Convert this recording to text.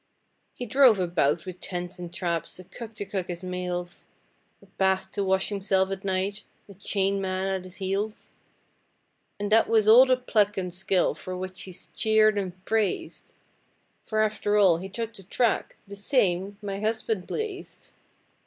He drove about with tents and traps, a cook to cook his meals, A bath to wash himself at night, a chain man at his heels. And that was all the pluck and skill for which he's cheered and praised, For after all he took the track, the same my husband blazed!